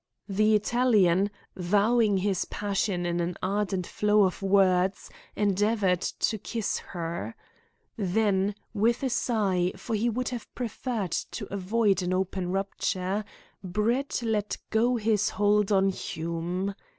The Italian, vowing his passion in an ardent flow of words, endeavoured to kiss her. Then, with a sigh, for he would have preferred to avoid an open rupture, Brett let go his hold on Hume.